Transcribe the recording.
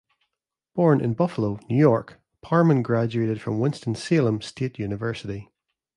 Born in Buffalo, New York, Parmon graduated from Winston-Salem State University.